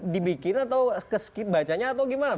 dibikin atau keskip bacanya atau gimana